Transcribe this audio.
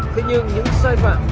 thế nhưng những sai phạm